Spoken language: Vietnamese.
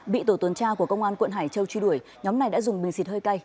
bị tổ tuần tra của công an quận hải châu truy đuổi nhóm này đã dùng bình xịt hơi cay